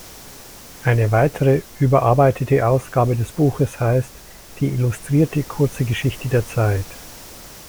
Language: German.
Eine weitere überarbeitete Ausgabe des Buches heißt "Die illustrierte kurze Geschichte der Zeit".